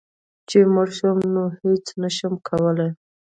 چي مړ شوم نو هيڅ نشم کولی